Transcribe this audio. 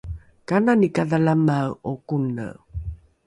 kanani kadhalamae’o kone?